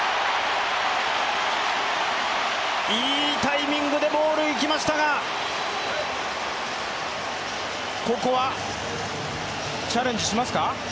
いいタイミングでボールにいきましたが、ここはチャレンジしますか？